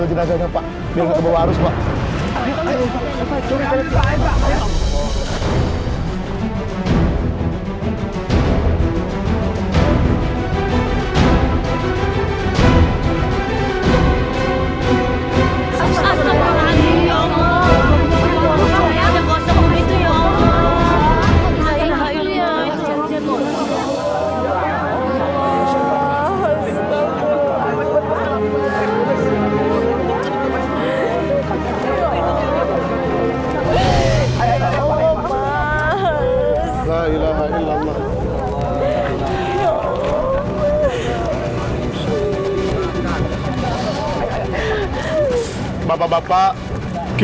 tahan pak tahan pak